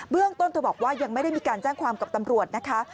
เรื่องต้นเธอบอกว่ายังไม่ได้มีการแจ้งความกับตำรวจนะคะ